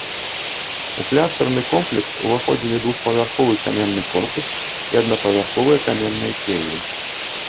У кляштарны комплекс уваходзілі двухпавярховы каменны корпус і аднапавярховыя каменныя келлі.